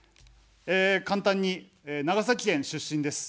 簡単に、長崎県出身です。